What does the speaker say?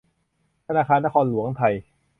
ธนาคารนครหลวงไทย